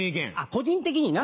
個人的にな。